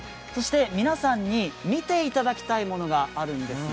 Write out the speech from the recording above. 皆さんに見ていただきたいものがあるんですね。